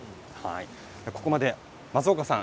ここまで松岡さん